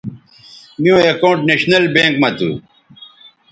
میوں اکاؤنٹ نیشنل بینک مہ تھو